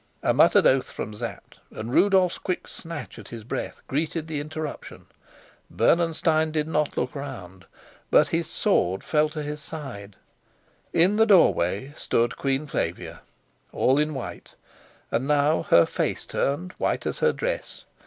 A muttered oath from Sapt and Rudolf's quick snatch at his breath greeted the interruption. Bernenstein did not look round, but his sword fell to his side. In the doorway stood Queen Flavia, all in white; and now her face turned white as her dress.